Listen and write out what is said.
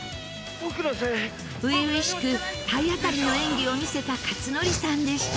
初々しく体当たりの演技を見せた克典さんでした。